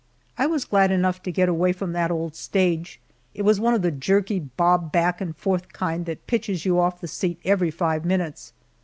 I was glad enough to get away from that old stage. It was one of the jerky, bob back and forth kind that pitches you off the seat every five minutes.